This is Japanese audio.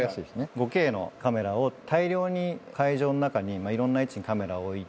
５Ｋのカメラを大量に会場の中にまぁいろんな位置にカメラを置いて。